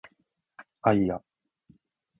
あいあ